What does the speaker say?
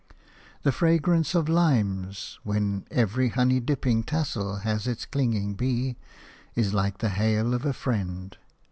The fragrance of limes, when every honey dripping tassel has its clinging bee, is like the hail of a friend.